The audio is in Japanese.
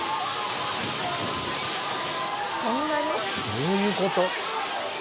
どういうこと？